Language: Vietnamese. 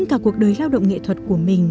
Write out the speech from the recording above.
cả cuộc đời lao động nghệ thuật của mình